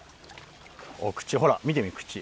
口ほら見てみ口。